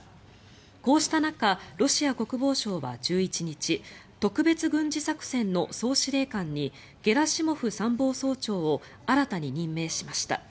こうした中ロシア国防省は１１日特別軍事作戦の総司令官にゲラシモフ参謀総長を新たに任命しました。